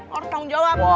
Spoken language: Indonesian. lo harus tanggung jawab